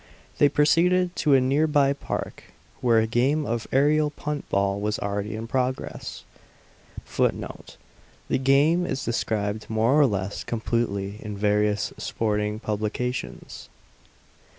They proceeded to a near by park, where a game of aerial punt ball was already in progress. [Footnote: The game is described more or less completely in various sporting publications.